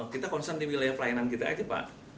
kita konsentrasi wilayah pelayanan kita aja pak